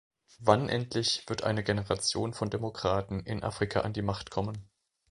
Wann endlich wird eine Generation von Demokraten in Afrika an die Macht kommen?